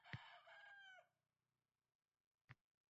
U chindanam bilmasdi. Nimalar qilib qo’yding, xotin?